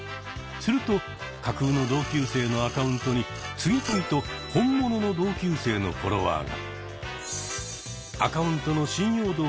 すると架空の同級生のアカウントに次々と本物の同級生のフォロワーが！